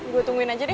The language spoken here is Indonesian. gue tungguin aja nih